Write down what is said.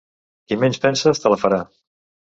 Qui menys penses, te la farà.